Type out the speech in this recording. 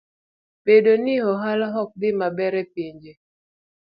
Bedo ni ohala ok dhi maber e pinje